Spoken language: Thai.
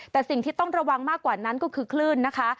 แต่สิ่งที่ต้องระวังมากกว่านั้นก็คือคลื่นนะคะ